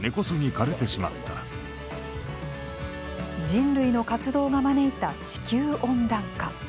人類の活動が招いた地球温暖化。